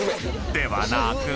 ［ではなく］